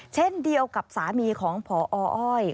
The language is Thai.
เช่นเดียวกับสามีของพออ้อย